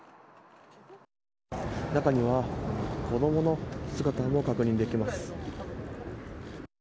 中には子供の姿も確認できます。